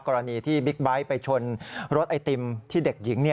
กรณีที่บิ๊กไบท์ไปชนรถไอติมที่เด็กหญิง